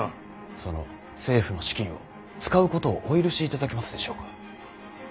その政府の資金を使うことをお許しいただけますでしょうか。